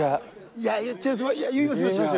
いや言っちゃいます